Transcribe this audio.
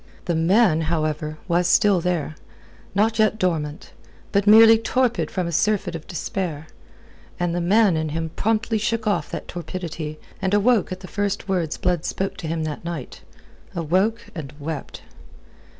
The man, however, was still there, not yet dormant, but merely torpid from a surfeit of despair; and the man in him promptly shook off that torpidity and awoke at the first words Blood spoke to him that night awoke and wept.